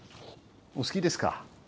お好きですか？